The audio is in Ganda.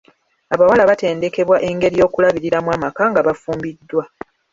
Abawala batendekebwa engeri y'okulabiriramu amaka nga bafumbiddwa.